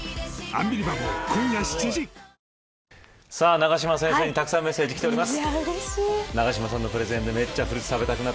永島先生にたくさんメッセージが来てます。